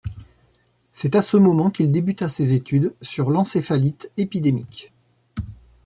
C’est à ce moment qu’il débuta ses études sur l'encéphalite épidémique.